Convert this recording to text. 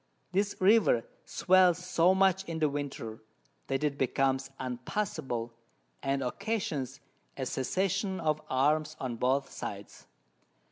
This River swells so much in the Winter, that it becomes unpassable, and occasions a Cessation of Arms on both sides.